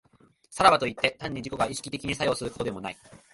さらばといって、単に自己が意識的に作用することでもない。